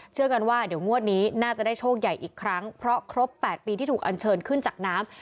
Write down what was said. เชื่อกันว่าเดี๋ยวงวดนี้น่าจะได้โชคใหญ่อีกครั้งเพราะครบ๘ปีที่ถูกอันเชิญขึ้นจากน้ำ